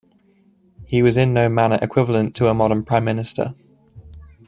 He was in no manner equivalent to a modern Prime Minister.